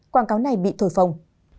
quảng cáo này bị thổi phồng